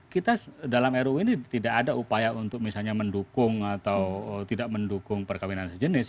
kita dalam ruu ini tidak ada upaya untuk misalnya mendukung atau tidak mendukung perkawinan sejenis